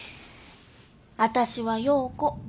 私は葉子。